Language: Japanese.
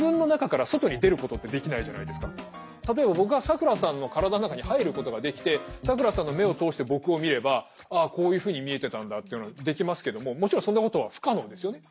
僕らは例えば僕が咲楽さんの体の中に入ることができて咲楽さんの目を通して僕を見ればああこういうふうに見えてたんだっていうのはできますけどももちろんそんなことは不可能ですよね。